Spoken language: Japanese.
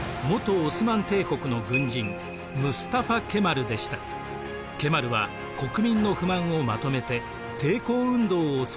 ケマルは国民の不満をまとめて抵抗運動を組織していきます。